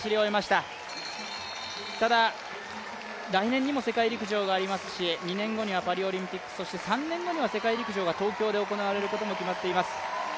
ただ、来年にも世界陸上がありますし、２年後にはパリオリンピック、そして３年後には世界陸上が東京で行われることが決まっています。